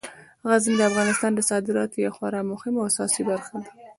غزني د افغانستان د صادراتو یوه خورا مهمه او اساسي برخه ده.